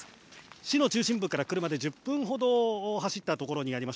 市の中心部から車で１０分程走ったところにあります。